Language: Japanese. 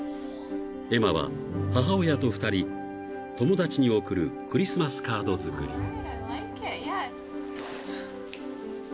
［エマは母親と２人友達に贈るクリスマスカード作り］